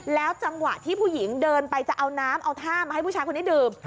จังหวะที่ผู้หญิงเดินไปจะเอาน้ำเอาท่ามาให้ผู้ชายคนนี้ดื่ม